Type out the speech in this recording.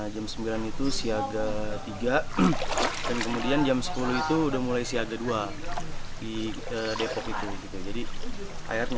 jam sembilan itu siaga tiga dan kemudian jam sepuluh itu udah mulai siaga dua di depok itu jadi airnya